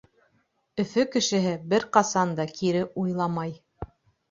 Өфө кешеһе бер ҡасан да кире уйламай.